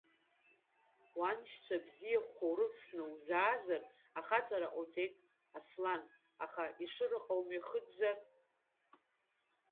Уаншьцәа бзиахәқәа урывсны узаазар ахаҵара ҟауҵеит, Аслан, аха Иашыраҟа умҩахыҵзар…